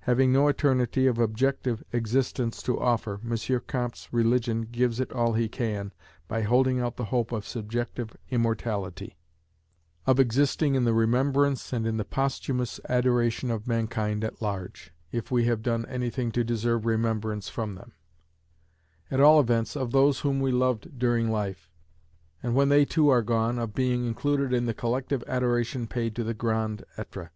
Having no eternity of objective existence to offer, M. Comte's religion gives it all he can, by holding out the hope of subjective immortality of existing in the remembrance and in the posthumous adoration of mankind at large, if we have done anything to deserve remembrance from them; at all events, of those whom we loved during life; and when they too are gone, of being included in the collective adoration paid to the Grand Etre.